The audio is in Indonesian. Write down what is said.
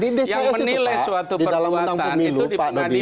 di dcs itu pak di dalam undang undang pemilu pak dodi